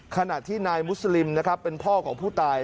ขนาดที่นายมุสลิมเป็นพ่อของผู้ตาย